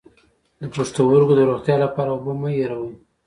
د پښتورګو د روغتیا لپاره اوبه مه هیروئ